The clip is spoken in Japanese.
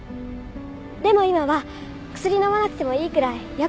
でも今は薬飲まなくてもいいくらいよくなったの。